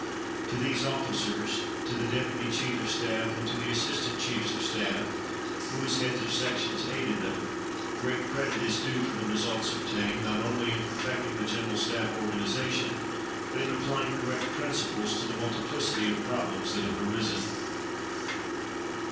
To these officers, to the Deputy Chief of Staff, and to the Assistant Chiefs of Staff, who, as heads of sections, aided them, great credit is due for the results obtained, not only in perfecting the General Staff organization, but in applying correct principles to the multiplicity of problems that have arisen.